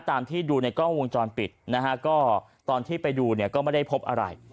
ตามที่ดูในกล้องวงจรปิดนะฮะก็ตอนที่ไปดูเนี่ยก็ไม่ได้พบอะไร